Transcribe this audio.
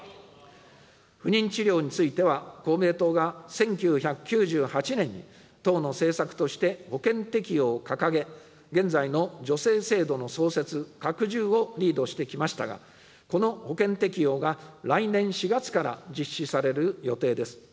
不妊治療については、公明党が、１９９８年に党の政策として保険適用を掲げ、現在の助成制度の創設・拡充をリードしてきましたが、この保険適用が来年４月から実施される予定です。